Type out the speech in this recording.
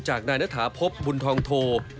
จากนายณฑาภพบุณธองโธบ